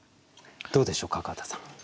どうでしょう角幡さん。